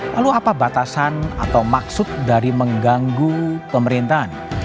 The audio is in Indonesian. lalu apa batasan atau maksud dari mengganggu pemerintahan